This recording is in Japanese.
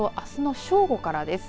あすの正午からです。